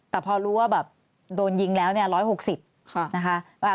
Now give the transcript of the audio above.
แต่พอรู้ว่าแบบโดนยิงแล้วเนี่ยร้อยหกสิบค่ะนะคะ